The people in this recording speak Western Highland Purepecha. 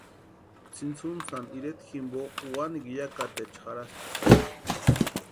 Tsʼintsutsani ireta jimpo wanikwa yakataecha jarhasti.